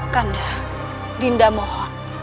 kanda dinda mohon